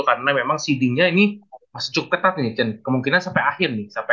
karena memang seedingnya ini masih cukup tetap ini echen kemungkinan sampai akhir nih sampai